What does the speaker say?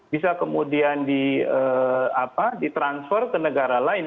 bisa kemudian di transfer ke negara lain